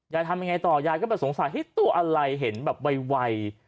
ยายทำยังไงต่อยายก็สงสัยให้ตัวอะไรเห็นแบบวัยวัย